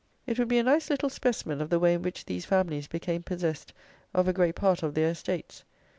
It would be a nice little specimen of the way in which these families became possessed of a great part of their estates.